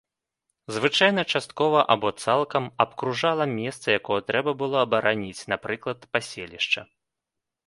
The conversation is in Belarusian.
Звычайна, часткова або цалкам, абкружала месца, якое трэба было абараніць, напрыклад, паселішча.